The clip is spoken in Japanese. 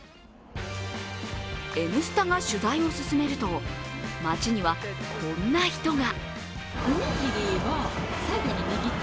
「Ｎスタ」が取材を進めると街にはこんな人が。